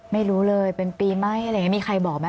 ไม่รู้เลยเป็นปีไหมอะไรอย่างนี้มีใครบอกไหม